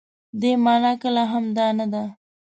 دې مانا کله هم دا نه ده.